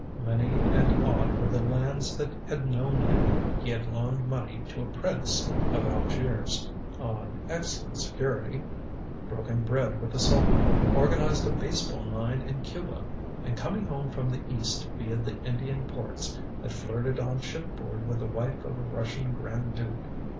Many and odd were the lands that had known him. He had loaned money to a prince of Algiers (on excellent security), broken bread with a sultan, organized a baseball nine in Cuba, and coming home from the East via the Indian ports, had flirted on shipboard with the wife of a Russian grand duke.